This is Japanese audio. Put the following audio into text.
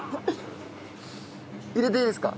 入れていいですか？